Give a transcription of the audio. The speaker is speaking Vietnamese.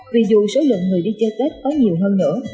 vì dù số lượng người đi chơi tết có nhiều hơn nữa